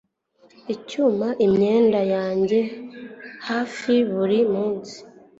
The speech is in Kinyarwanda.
Icyuma imyenda yanjye hafi buri munsi